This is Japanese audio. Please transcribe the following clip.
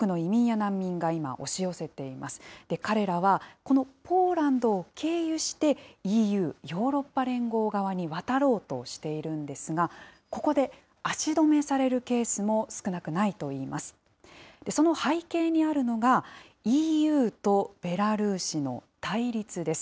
彼らは、このポーランドを経由して、ＥＵ・ヨーロッパ連合側に渡ろうとしているんですが、ここで足止めされるケースも少なくないといいます。